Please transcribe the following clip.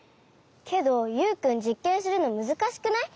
けどユウくんじっけんするのむずかしくない？